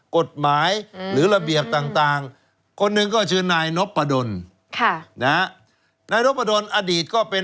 กฎหมายหรือระเบียบต่างคนหนึ่งก็ชื่อนายน๊อปปะดนค่ะนะนายน๊อปปะดนอดีตก็เป็น